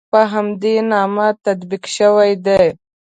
په همدې نامه تطبیق شوي دي.